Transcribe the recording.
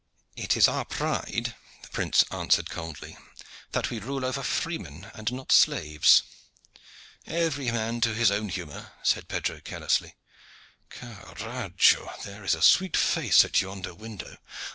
"It is our pride," the prince answered coldly, "that we rule over freemen and not slaves." "Every man to his own humor," said Pedro carelessly. "Carajo! there is a sweet face at yonder window!